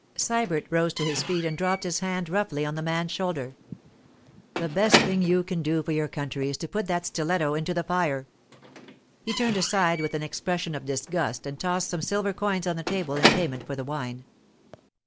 Sybert rose to his feet and dropped his hand roughly on the man's shoulder. 'The best thing you can do for your country is to put that stiletto into the fire.' He turned aside with an expression of disgust and tossed some silver coins on the table in payment for the wine.